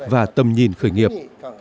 và tầm nhìn khởi nghiệp